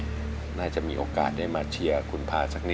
แล้วตอนนี้พี่พากลับไปในสามีออกจากโรงพยาบาลแล้วแล้วตอนนี้จะมาถ่ายรายการ